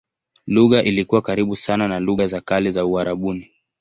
Lugha ilikuwa karibu sana na lugha za kale za Uarabuni.